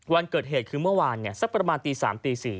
วันเกิดเหตุคือเมื่อวานสักประมาณตี๓ตี๔